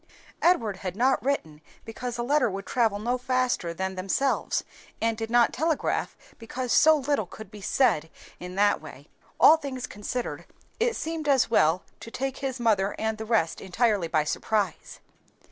Edward had not written because a letter would travel no faster than themselves, and did not telegraph because so little could be said in that way. All things considered, it seemed as well to take his mother and the rest entirely by surprise.